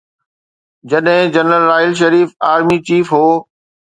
جڏهن general Raheel Sharif army chief هو.